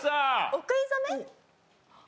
お食い初め？